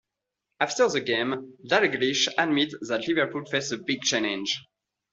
After the game, Dalglish admitted that Liverpool faced "a big challenge".